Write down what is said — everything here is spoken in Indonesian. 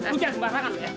lu jangan sembarangan